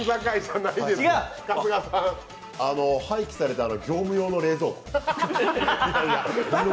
廃棄された業務用の冷蔵庫。